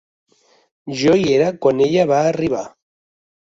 Jo hi era quan ella va arribar.